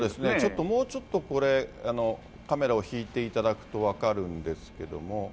ちょっともうちょっとこれ、カメラを引いていただくと分かるんですけども。